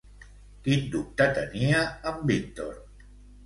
Quin dubte tenia en Víctor?